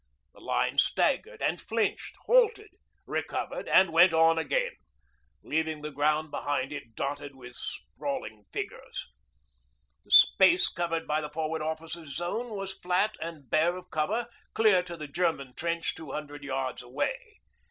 The line staggered and flinched, halted, recovered, and went on again, leaving the ground behind it dotted with sprawling figures. The space covered by the Forward Officer's zone was flat and bare of cover clear to the German trench two hundred yards away.